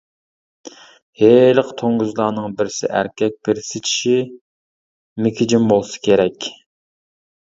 ھېلىقى توڭگۇزلارنىڭ بىرسى ئەركەك، بىرسى چېشى مېكىجىن بولسا كېرەك.